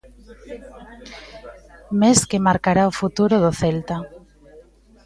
Mes que marcará o futuro do Celta.